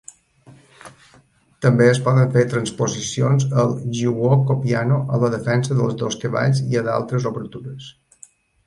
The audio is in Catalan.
També es poden fer transposicions al "giuoco piano", a la defensa dels dos cavalls i a d'altres obertures.